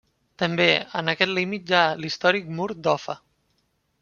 També en aquest límit hi ha l'històric mur d'Offa.